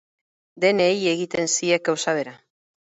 Denei egiten ziek gauza bera.